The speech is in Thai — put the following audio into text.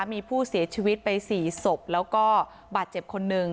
มีผู้เสียชีวิตไป๔ศพแล้วก็บาดเจ็บคนหนึ่ง